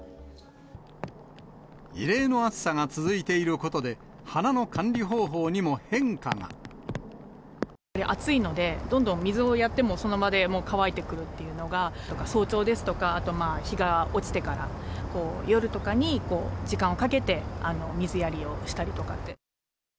異例の暑さが続いていることで、暑いので、どんどん水をやってもその場でもう乾いてくるっていうのが、早朝ですとか、あと日が落ちてから、夜とかに時間をかけて水やりをしたりとか。